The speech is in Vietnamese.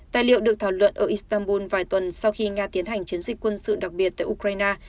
tài liệu được thảo luận ở istanbul vài tuần sau khi nga tiến hành chiến dịch quân sự đặc biệt tại ukraine